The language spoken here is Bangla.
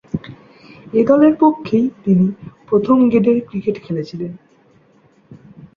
এ দলের পক্ষেই তিনি প্রথম-গেডের ক্রিকেট খেলেছিলেন।